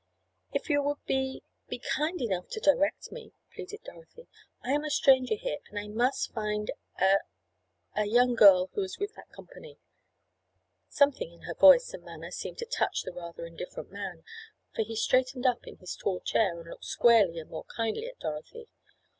"If you would be—be kind enough to direct me," pleaded Dorothy. "I am a stranger here, and I must find a—a young girl who is with that company." Something in her voice and manner seemed to touch the rather indifferent man, for he straightened up in his tall chair and looked squarely and more kindly at Dorothy.